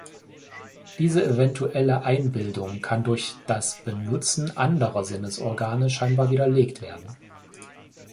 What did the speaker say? Diese eventuelle Einbildung kann durch das Benutzen anderer Sinnesorgane scheinbar widerlegt werden.